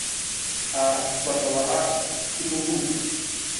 A kifa ka waʼa ti muƞgu.